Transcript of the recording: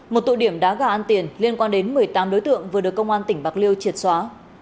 một tụ điểm đá gà ăn tiền liên quan đến một mươi tám đối tượng vừa được công an tỉnh bạc liêu triệt xóa